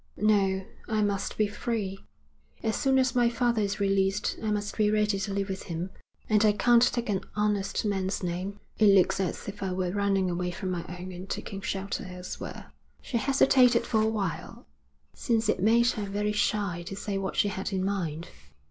'No, I must be free. As soon as my father is released I must be ready to live with him. And I can't take an honest man's name. It looks as if I were running away from my own and taking shelter elsewhere.' She hesitated for a while, since it made her very shy to say what she had in mind.